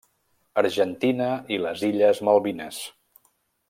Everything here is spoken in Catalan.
Argentina i les illes Malvines.